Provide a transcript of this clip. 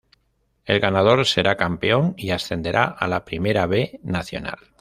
El ganador será campeón y ascenderá a la Primera B Nacional.